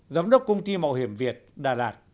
giám đốc công ty mạo hiểm việt đà lạt